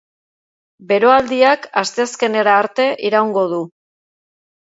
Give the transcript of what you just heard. Beroaldiak asteazkenera arte iraungo du.